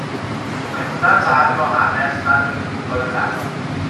Mae hwnna'n ddarn o hanes nad o'n i'n gwybod amdano.